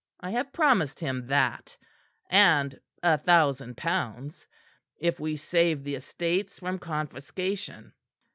I have promised him that and a thousand pounds if we save the estates from confiscation."